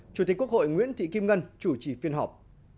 chủ tịch quốc hội nguyễn thị kim ngân chủ trì phiên họp